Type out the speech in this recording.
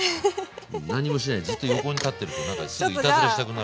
何もしないでジッと横に立ってるとなんかすぐいたずらしたくなる。